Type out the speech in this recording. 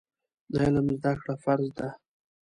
د علم زده کړه فرض ده.